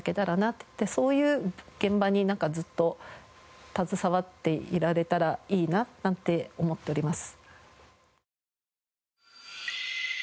そういう現場にずっと携わっていられたらいいななんて思っております。